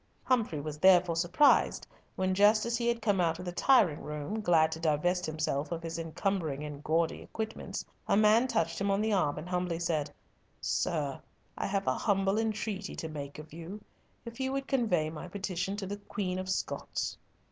Humfrey was therefore surprised when, just as he had come out of the tiring room, glad to divest himself of his encumbering and gaudy equipments, a man touched him on the arm and humbly said, "Sir, I have a humble entreaty to make of you. If you would convey my petition to the Queen of Scots!"